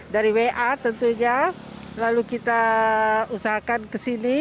dari wa tentunya lalu kita usahakan ke sini